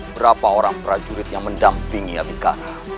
berapa orang prajuritnya mendampingi abikara